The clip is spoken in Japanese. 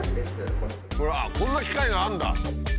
こんな機械があるんだ！